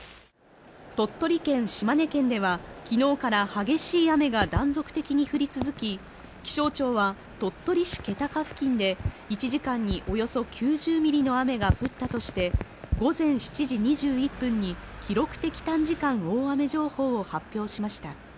鳥取県島根県では昨日から激しい雨が断続的に降り続き、気象庁は鳥取市気高付近で１時間におよそ９０ミリの雨が降ったとして午前７時２１分に記録的短時間大雨情報を発表しました。